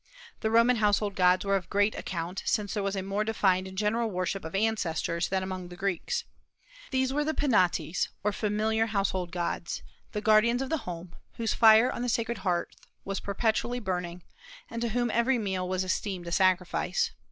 The Roman household gods were of great account, since there was a more defined and general worship of ancestors than among the Greeks. These were the Penates, or familiar household gods, the guardians of the home, whose fire on the sacred hearth was perpetually burning, and to whom every meal was esteemed a sacrifice.